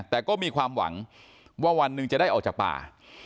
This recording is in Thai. แต่ก็มีความหวังว่าวันหนึ่งจะได้ออกจากป่า